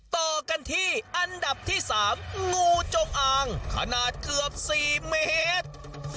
ต่อกันที่อันดับที่๓งูจงอางขนาดเกือบ๔เมตร